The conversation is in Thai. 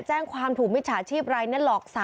แจ้งความถูกมิจฉาภิษภ์ใบร้านล็อค